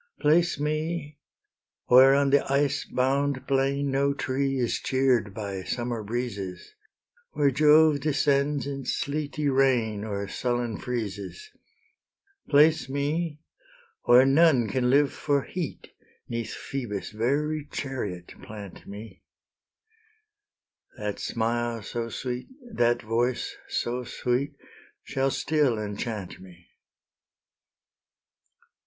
Place me where on the ice bound plain No tree is cheer'd by summer breezes, Where Jove descends in sleety rain Or sullen freezes; Place me where none can live for heat, 'Neath Phoebus' very chariot plant me, That smile so sweet, that voice so sweet, Shall still enchant me.